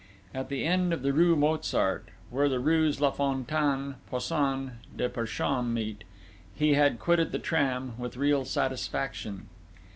At the end of the rue Mozart, where the rues La Fontaine, Poussin, des Perchamps meet, he had quitted the tram with real satisfaction.